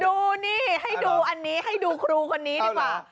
ดูนี่ให้ดูอันนี้ให้ดูครูคนนี้ดีกว่า